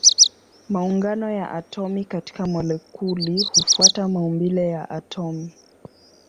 Maungano ya atomi katika molekuli hufuata maumbile ya atomi.